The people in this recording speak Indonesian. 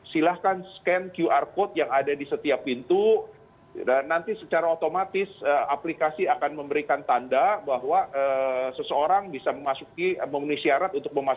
silahkan scan qr code yang ada di setiap pintu dan nanti secara otomatis aplikasi akan memberikan tanda bahwa seseorang bisa memasuki memenuhi syarat untuk memasukkan